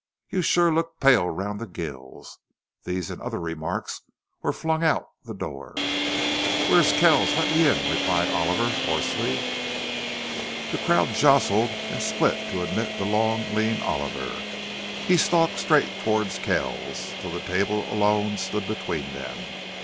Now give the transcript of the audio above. You shore look pale round the gills." These and other remarks were flung out the door. "Where's Kells? Let me in," replied Oliver, hoarsely. The crowd jostled and split to admit the long, lean Oliver. He stalked straight toward Kells, till the table alone stood between them.